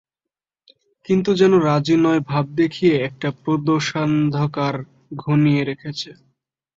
কিন্তু যেন রাজি নয় ভাব দেখিয়ে একটা প্রদোষান্ধকার ঘনিয়ে রেখেছে।